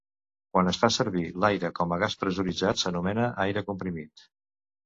Quan es fa servir l'aire com a gas pressuritzat s'anomena aire comprimit.